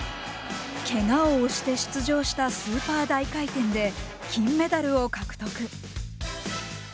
けがを押して出場したスーパー大回転で金メダルを獲得。